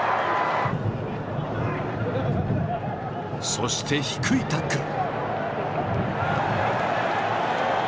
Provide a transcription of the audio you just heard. そして低いタックル！